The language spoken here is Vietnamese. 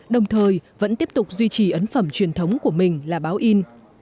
đồng thời vẫn tiếp tục duy trì ấn phẩm truyền thống của mình là báo in